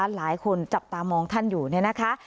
หลายคนจับตามองท่านอยู่เนี่ยนะคะ